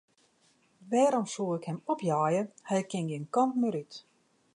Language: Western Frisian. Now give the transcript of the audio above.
Wêrom soe ik him opjeie, hy kin gjin kant mear út.